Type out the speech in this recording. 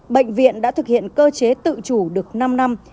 bệnh viện đã thực hiện cơ chế tự chủ được năm năm